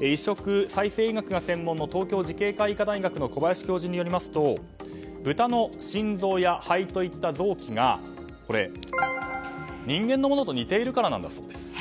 移植、再生医学が専門の東京慈恵会医科大学の小林教授によりますと豚の心臓や肺といった臓器が人間のものと似ているからだそうです。